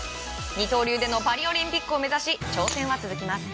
二刀流でのパリオリンピックを目指し挑戦は続きます。